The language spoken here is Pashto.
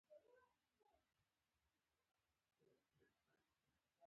پسه ځینې وخت ناروغه هم کېږي.